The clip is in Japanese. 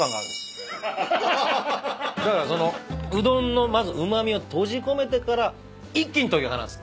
だからそのうどんのまずうま味を閉じ込めてから一気に解き放つ。